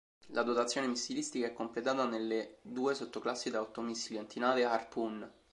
La dotazione missilistica è completata nelle due sottoclassi da otto missili antinave Harpoon.